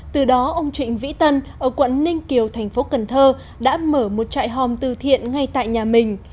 từ đó ông trịnh vĩ tân ở quận ninh kiều thành phố cần thơ đã mở một trại hòm từ thiện ngay tại nhà mình